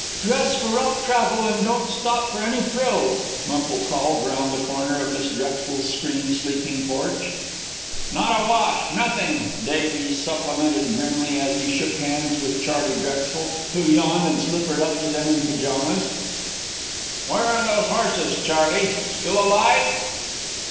"Dress for rough travel, and don't stop for any frills," Wemple called around the corner of Miss Drexel's screened sleeping porch. "Not a wash, nothing," Davies supplemented grimly, as he shook hands with Charley Drexel, who yawned and slippered up to them in pajamas. "Where are those horses, Charley? Still alive?"